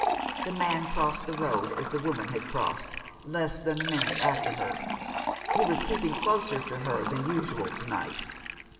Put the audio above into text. The man crossed the road as the woman had crossed, less than a minute after her. He was keeping closer to her than usual to night.